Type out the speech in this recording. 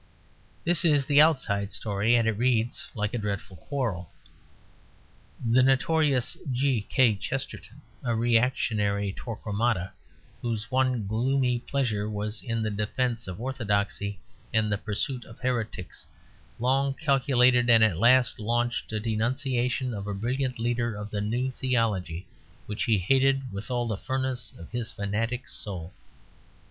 This is the outside story; and it reads like a dreadful quarrel. The notorious G. K. Chesterton, a reactionary Torquemada whose one gloomy pleasure was in the defence of orthodoxy and the pursuit of heretics, long calculated and at last launched a denunciation of a brilliant leader of the New Theology which he hated with all the furnace of his fanatic soul.